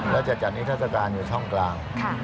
แล้วจะจัดนิทัศกาลอยู่ช่องกลาง